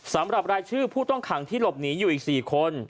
สำหรับรายชื่อผู้ต้องขังที่หลบหนีอยู่อีก๔คน